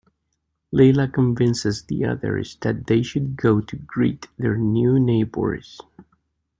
Leela convinces the others that they should go to greet their new neighbors.